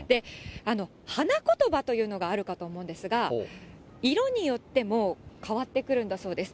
花言葉というのがあるかと思うんですが、色によっても変わってくるんだそうです。